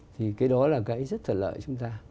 thì cái đó là cái rất thuận lợi cho chúng ta